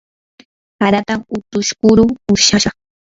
haratam utush kuru ushashqa.